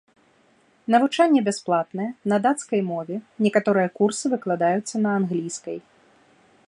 Навучанне бясплатнае, на дацкай мове, некаторыя курсы выкладаюцца на англійскай.